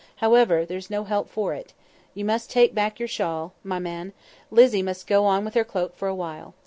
However, there's no help for it. You must take back your shawl, my man; Lizzle must go on with her cloak for a while.